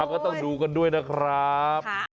ก็ต้องดูกันด้วยนะครับ